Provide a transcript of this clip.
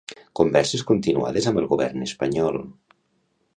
Converses continuades amb el govern espanyol.